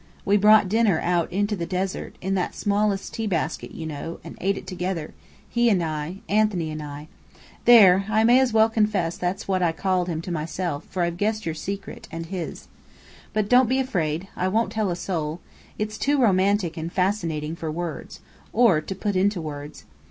We brought dinner out into the desert, in that smallest tea basket, you know, and ate it together, he and I Antony and I. There! I may as well confess that's what I call him to myself, for I've guessed your secret and his. But don't be afraid. I won't tell a soul. It's too romantic and fascinating for words or to put into words.